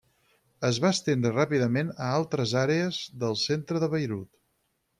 Es va estendre ràpidament a altres àrees del centre de Beirut.